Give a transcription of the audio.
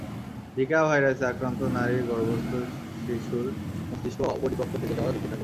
Zika ভাইরাসে আক্রান্ত নারীর গর্ভস্থ শিশুর মস্তিষ্ক অপরিপক্ব থেকে যাওয়ার ঝুঁকি থাকে।